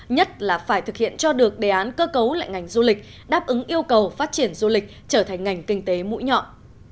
nhất là phải thực hiện cho được đề án cơ cấu lại ngành du lịch đáp ứng yêu cầu phát triển du lịch trở thành ngành kinh tế mũi nhọn